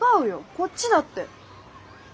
こっちだって。